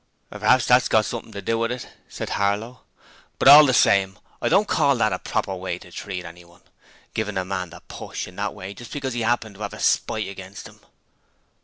'Praps that 'as got something to do with it,' said Harlow. 'But all the same I don't call that a proper way to treat anyone givin' a man the push in that way just because 'e 'appened to 'ave a spite against 'im.'